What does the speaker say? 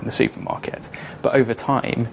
ini memiliki banyak manfaat lain